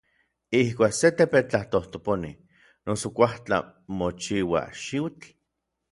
Ijkuak se tepetl tlatojtoponi noso kuaujtla mochiua xiutl.